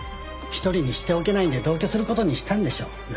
一人にしておけないんで同居する事にしたんでしょう。